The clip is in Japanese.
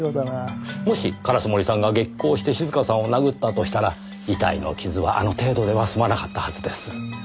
もし烏森さんが激高して静香さんを殴ったとしたら遺体の傷はあの程度では済まなかったはずです。